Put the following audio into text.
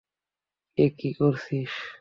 এ কি করছিস?